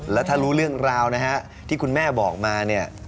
แล้วถ้ารู้เรื่องราวนะฮะที่คุณแม่บอกมาเนี่ย